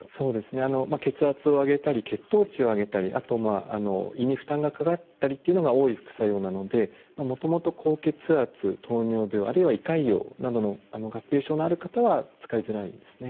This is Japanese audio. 血圧を上げたり血糖値を上げたりあと胃に負担がかかったりっていうのが多い副作用なのでもともと高血圧糖尿病あるいは胃潰瘍などの合併症のある方は使いづらいですね。